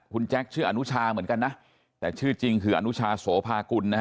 คุณแจ๊คชื่ออนุชาเหมือนกันนะแต่ชื่อจริงคืออนุชาโสภากุลนะฮะ